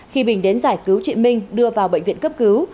khi bình đến giải cứu chị minh đưa vào bệnh viện cấp cứu